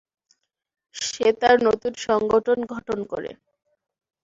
সে তার নতুন সংগঠন গঠন করে।